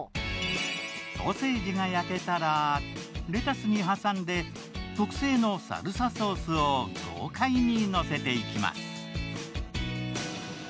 ソーセージが焼けたらレタスに挟んで特製のサルサソースを豪快にのせていきます